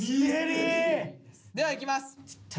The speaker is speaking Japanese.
ではいきます。